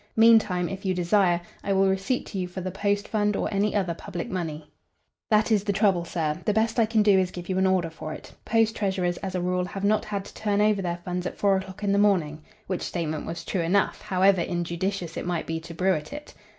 Meantime, if you desire, I will receipt to you for the post fund or any other public money." "That is the trouble, sir. The best I can do is give you an order for it. Post treasurers, as a rule, have not had to turn over their funds at four o'clock in the morning," which statement was true enough, however injudicious it might be to bruit it.